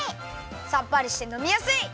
さっぱりしてのみやすい！